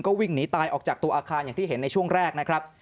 วิ่งหนีตายออกจากตัวอาคารอย่างที่เห็นในช่วงแรกนะครับ